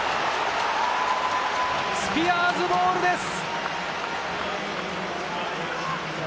スピアーズボールです！